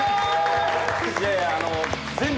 いやいやあの全部。